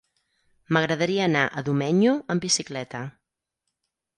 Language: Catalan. M'agradaria anar a Domenyo amb bicicleta.